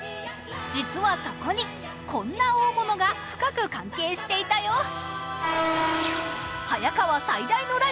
実はそこにこんな大物が深く関係していたよ